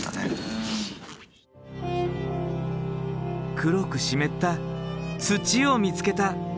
黒く湿った土を見つけた。